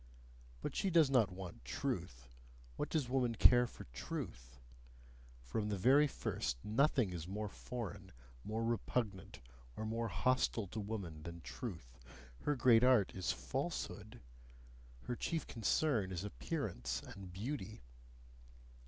But she does not want truth what does woman care for truth? From the very first, nothing is more foreign, more repugnant, or more hostile to woman than truth her great art is falsehood, her chief concern is appearance and beauty.